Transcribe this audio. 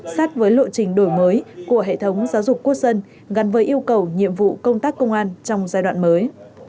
sát với lộ trình đổi mới của hệ thống giáo dục quốc dân gắn với yêu cầu nhiệm vụ công tác công an trong giai đoạn mới